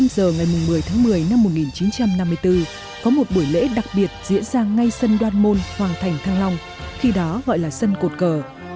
một mươi giờ ngày một mươi tháng một mươi năm một nghìn chín trăm năm mươi bốn có một buổi lễ đặc biệt diễn ra ngay sân đoan môn hoàng thành thăng long khi đó gọi là sân cột cờ